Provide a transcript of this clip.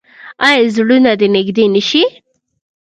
آیا زړونه دې نږدې نشي؟